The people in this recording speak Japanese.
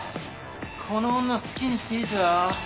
この女好きにしていいぞ